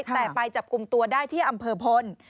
แต่ไปจับกลุ่มตัวได้ที่อำเภอพล